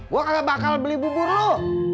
gue kagak bakal beli bubur lo